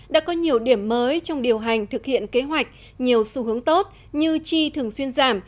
đã có nhiều điểm mới trong điều hành thực hiện kế hoạch nhiều xu hướng tốt như chi thường xuyên giảm